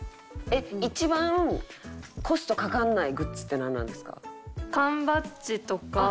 一番コストかからないグッズってなんなんですか？